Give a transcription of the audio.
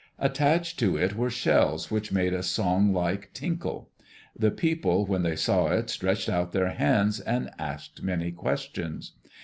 Attached to it were shells, which made a song like tinkle. The people when they saw it stretched out their hands and asked many questions.